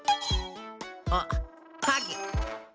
あっかげ！